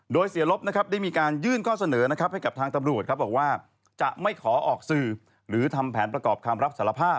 โดยเสียรบได้มีการยื่นข้อเสนอให้กับทางตำรวจว่าจะไม่ขอออกสื่อหรือทำแผนประกอบความรับสารภาพ